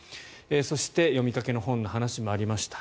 そして、読みかけの本の話もありました。